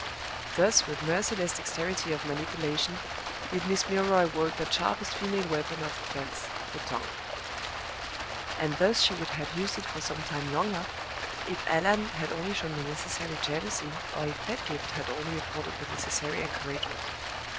Thus, with merciless dexterity of manipulation, did Miss Milroy work that sharpest female weapon of offense, the tongue; and thus she would have used it for some time longer, if Allan had only shown the necessary jealousy, or if Pedgift had only afforded the necessary encouragement.